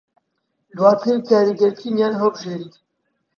دوواتر کاریگەرترینیان هەڵبژێریت